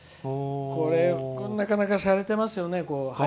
これ、なかなかしゃれてますよね。